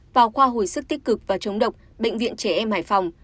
vào khoa hồi sức tích cực và chống độc bệnh viện trẻ em hải phòng